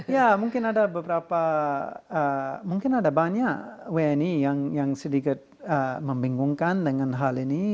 ya mungkin ada beberapa mungkin ada banyak wni yang sedikit membingungkan dengan hal ini